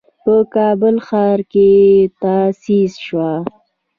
په کابل ښار کې تأسيس شوه.